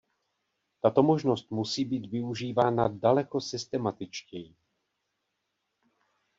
Tato možnost musí být využívána daleko systematičtěji.